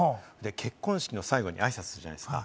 結婚式の最後ってあいさつするじゃないですか。